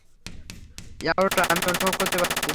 Aorta, আমি অনুভব করতে পারছি।